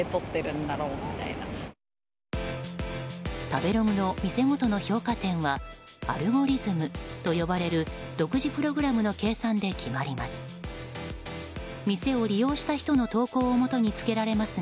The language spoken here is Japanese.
食べログの店ごとの評価点はアルゴリズムと呼ばれる独自プログラムの計算で決まります。